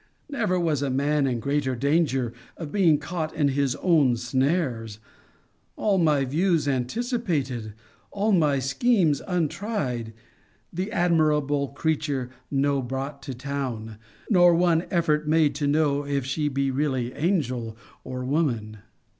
Never was man in greater danger of being caught in his own snares: all my views anticipated; all my schemes untried; the admirable creature no brought to town; nor one effort made to know if she be really angel or woman.